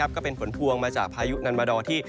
ก็เป็นผลพวงมาจากพายุนันมาดอร์ที่